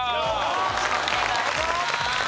よろしくお願いします。